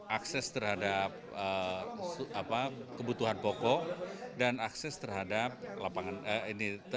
akses terhadap kebutuhan pokok dan juga keuntungan pendidikan